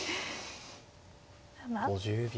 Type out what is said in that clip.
５０秒。